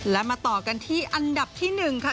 และมาต่อกันที่อันดับที่๑ค่ะ